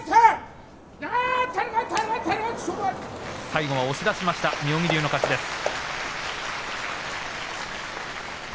最後は押し出しました妙義龍の勝ちです。